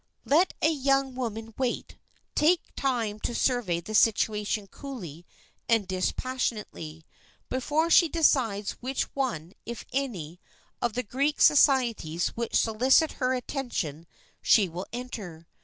Let a young woman wait, take time to survey the situation coolly and dispassionately, before she decides which one, if any, of the Greek societies which solicit her attention she will enter.